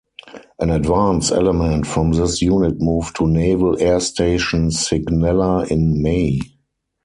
An advance element from this unit moved to Naval Air Station Sigonella in May.